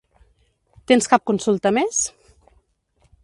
Tens cap consulta més?